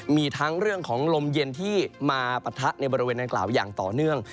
มีทั้งเรื่องของลมเย็นที่มาปะทะในบริเวณดังกล่าวอย่างต่อเนื่อง